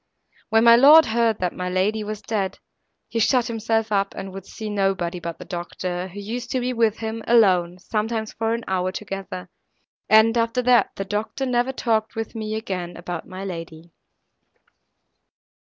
When my lord heard that my lady was dead, he shut himself up, and would see nobody but the doctor, who used to be with him alone, sometimes for an hour together; and, after that, the doctor never talked with me again about my lady.